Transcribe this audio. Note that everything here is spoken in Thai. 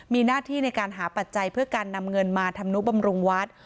มีหน้าที่ในการหาปัจจัยเพื่อการนำเงินมาทำนุบำรุงวัด